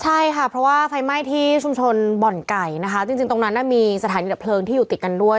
ใช่ค่ะเพราะว่าไฟไหม้ที่ชุมชนบ่อนไก่นะคะจริงตรงนั้นน่ะมีสถานีดับเพลิงที่อยู่ติดกันด้วย